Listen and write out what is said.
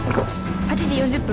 ８時４０分